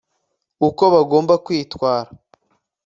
uko bagomba kwitwara